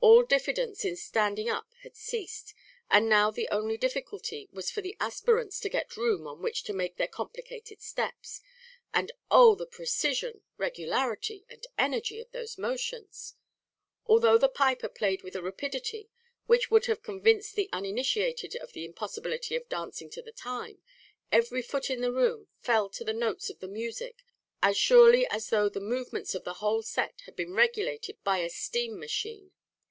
All diffidence in standing up had ceased and now the only difficulty was for the aspirants to get room on which to make their complicated steps; and oh, the precision, regularity, and energy of those motions! Although the piper played with a rapidity which would have convinced the uninitiated of the impossibility of dancing to the time, every foot in the room fell to the notes of the music as surely as though the movements of the whole set had been regulated by a steam machine.